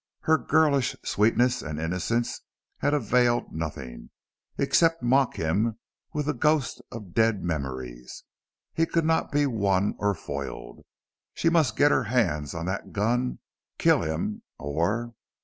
Her girlish sweetness and innocence had availed nothing, except mock him with the ghost of dead memories. He could not be won or foiled. She must get her hands on that gun kill him or